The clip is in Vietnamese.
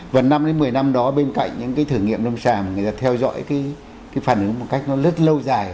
và năm đến một mươi năm đó bên cạnh những cái thử nghiệm lâm sàng người ta theo dõi cái phản ứng một cách nó rất lâu dài